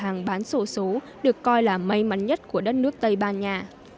hàng bán sổ số được coi là may mắn nhất của đất nước tây ban nha